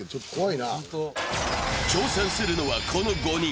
挑戦するのはこの５人。